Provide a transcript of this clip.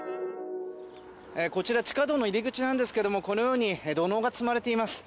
こちら地下道の入り口なんですけどこのように土のうが積まれています。